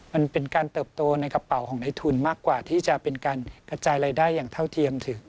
มันเป็นการเติบโตในกระเป๋าของในทุนมากกว่าที่จะเป็นการกระจายรายได้อย่างเท่าเทียมถึง